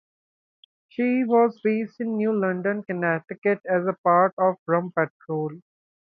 She was based in New London, Connecticut as part of the Rum Patrol.